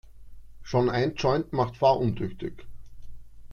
Schon ein Joint macht fahruntüchtig.